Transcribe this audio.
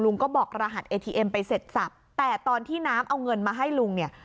บอกรหัสเอทีเอ็มไปเสร็จสับแต่ตอนที่น้ำเอาเงินมาให้ลุงเนี่ย